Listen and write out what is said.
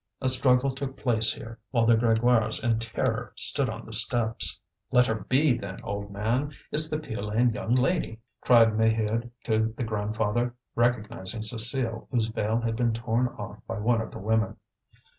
A struggle took place here, while the Grégoires in terror stood on the steps. "Let her be then, old man! It's the Piolaine young lady," cried Maheude to the grandfather, recognizing Cécile, whose veil had been torn off by one of the women.